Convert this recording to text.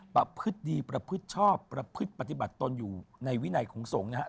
ประพฤติดีประพฤติชอบประพฤติปฏิบัติตนอยู่ในวินัยของสงฆ์นะครับ